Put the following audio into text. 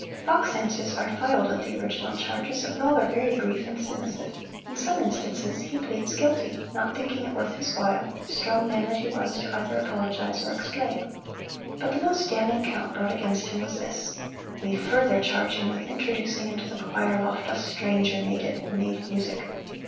Bach's answers are filed with the original charges, and are all very brief and submissive. In some instances he pleads guilty, not thinking it worth his while, strong man that he was, to either apologize or explain. But the most damning count brought against him was this: "We further charge him with introducing into the choir loft a Stranger Maiden, who made music."